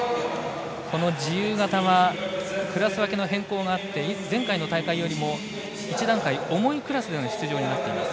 この自由形はクラス分けの変更があって前回の大会よりも１段階重いクラスでの出場になっています。